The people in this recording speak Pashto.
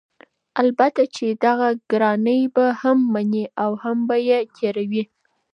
البته چې دغه ګرانی به هم مني او هم به یې تېروي؛